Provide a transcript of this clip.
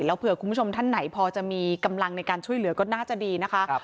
แล้วเผื่อคุณผู้ชมท่านไหนพอจะมีกำลังในการช่วยเหลือก็น่าจะดีนะคะ